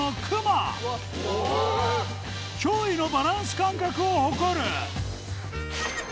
驚異のバランス感覚を誇る！